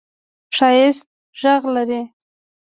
ښایسته ږغ لرې !